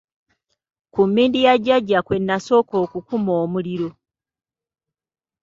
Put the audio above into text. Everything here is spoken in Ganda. Ku mmindi ya Jjajja kwe nasooka okukuma omuliro.